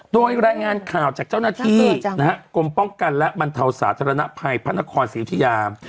โดยรายงานข่าวจากเจ้าหน้าที่กรมป้องกันและบรรเทาสาธารณภัยพระนครศรีอุทิยา